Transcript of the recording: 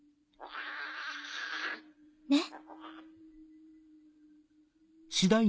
ねっ？